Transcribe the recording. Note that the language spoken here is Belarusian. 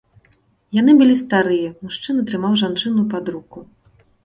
Яны былі старыя, мужчына трымаў жанчыну пад руку.